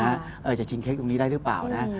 จะชิงเค้กตรงนี้ได้หรือเปล่านะ